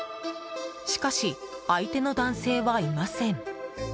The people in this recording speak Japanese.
しかし、相手の男性はいません。